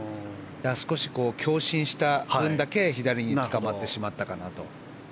少し強振した分だけ左につかまってしまったかなと。